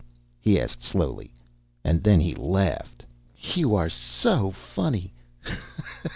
he asked slowly. And then he laughed. "You are so funny!